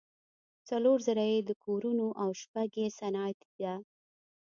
څلور زره یې د کورونو او شپږ یې صنعتي ده.